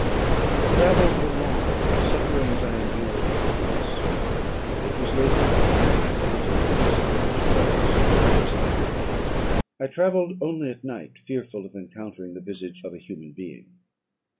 "My travels were long, and the sufferings I endured intense. It was late in autumn when I quitted the district where I had so long resided. I travelled only at night, fearful of encountering the visage of a human being.